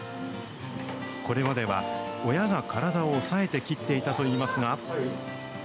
これまでは、親が体を押さえて切っていたといいますが。